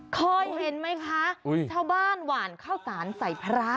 คอยเห็นมั้ยคะเช้าบ้านวานเข้าสารใส่พระ